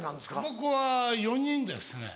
僕は４人ですね。